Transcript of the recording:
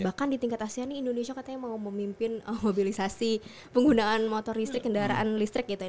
bahkan di tingkat asean ini indonesia katanya mau memimpin mobilisasi penggunaan motor listrik kendaraan listrik gitu